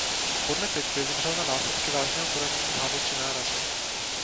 Podle pitvy zemřel na následky vážného poranění hlavy při nárazu.